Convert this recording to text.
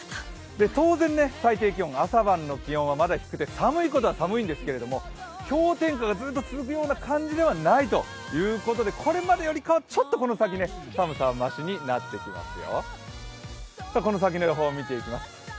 当然、最低気温、朝晩の気温はまだ低くて寒いことは寒いんですけど氷点下がずっと続くような感じではないということでこれまでよりかはちょっとこの先寒さはましになってきますよ。